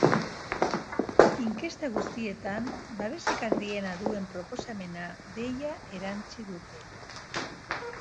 Inkesta guztietan babesik handiena duen proposamena dela erantsi dute.